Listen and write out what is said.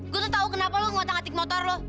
gue tuh tau kenapa lo ngotak atik motor lo